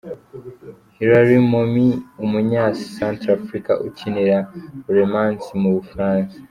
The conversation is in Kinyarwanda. Hilaire Momi , umunya Centre Afurika ukinira Le Mans mu Bufaransa.